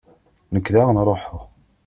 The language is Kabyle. Nekk daɣen ṛuḥeɣ.